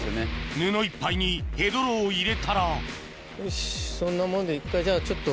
布いっぱいにヘドロを入れたらよしそんなもんで。